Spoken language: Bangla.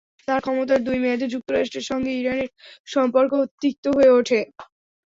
তাঁর ক্ষমতার দুই মেয়াদে যুক্তরাষ্ট্রের সঙ্গে ইরানের সম্পর্ক তিক্ত হয়ে ওঠে।